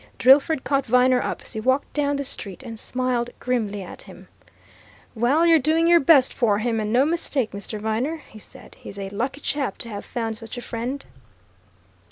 Drillford caught Viner up as he walked down the street and smiled grimly at him. "Well, you're doing your best for him, and no mistake, Mr. Viner," he said. "He's a lucky chap to have found such a friend!"